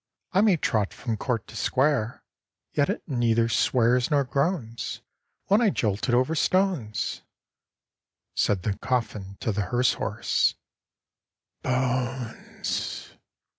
I may trot from court to square, Yet it neither swears nor groans, When I jolt it over stones." Said the coffin to the hearse horse, "Bones!"